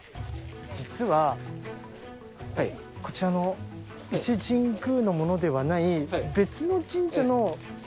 実はこちらの伊勢神宮のものではない。